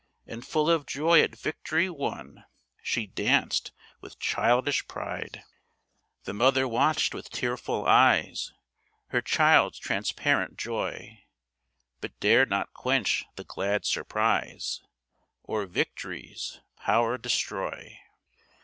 And, full of joy at victory won, She danced with childish pride. The mother watched with tearful eyes Her child's transparent joy, But dared not quench the glad surprise, Or victory's power destroy.